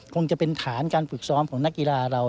คงจะเป็นฐานการฝึกซ้อมของนักกีฬาเรา